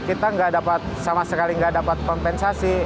di mana ada tiga rumah yang berada di jawa tenggara